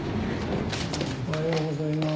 おはようございます。